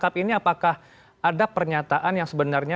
tapi ini apakah ada pernyataan yang sebenarnya